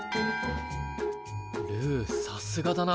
ルーさすがだな。